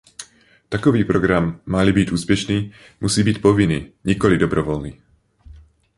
Takový program, má-li být úspěšný, musí být povinný, nikoli dobrovolný.